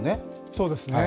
そうですね。